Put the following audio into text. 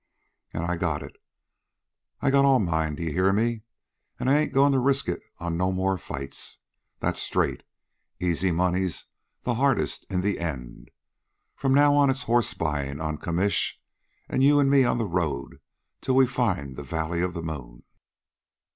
An' I got it, I got all mine, d'ye hear me, an' I ain't goin' to risk it on no more fights. That's straight. Easy money's hardest in the end. From now on it's horsebuyin' on commish, an' you an' me on the road till we find that valley of the moon."